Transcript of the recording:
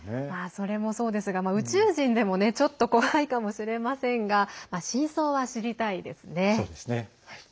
それもそうですが宇宙人でも、ちょっと怖いかもしれませんが真相は知りたいですね。